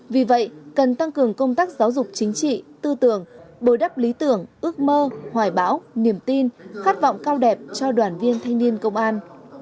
vì vậy cần tăng cường công tác giáo dục chính trị tư tưởng bồi đắp lý tưởng ước mơ hoài bão niềm tin khát vọng cao đẹp cho đoàn viên thanh niên công an